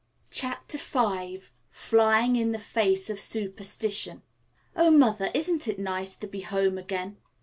CHAPTER V FLYING IN THE FACE OF SUPERSTITION "Oh, mother, isn't it nice to be home again?"